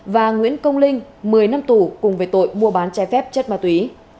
và nguyễn công linh một mươi năm tù cùng với tội mua bán chai phép chất ma túy